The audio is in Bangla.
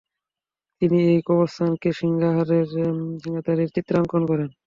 তিনি এই কবরস্থানেরই সিংহদ্বারের চিত্রাঙ্কন করেন।